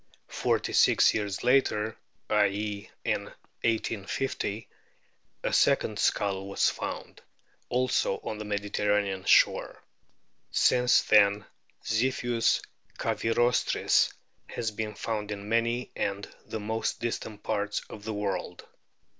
Forty six years later, i.e., in 1850, a second skull was found, also on the Mediterranean shore. Since then Ziphius cavirostris has been found in many and the most distant parts of the world.